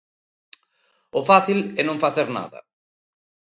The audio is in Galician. O fácil é non facer nada.